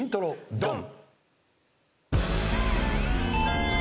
ドン！